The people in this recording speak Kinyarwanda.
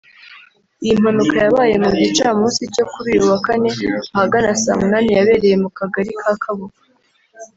Iyi mpanuka yabaye ku gicamunsi cyo kuri uyu wa kane ahagana saa munani yabereye mu kagali ka Kabuga